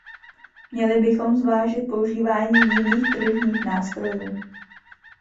Měli bychom zvážit používání jiných tržních nástrojů.